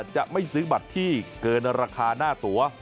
จะไม่ซื้อบัตรที่เกินราคาหน้าตัว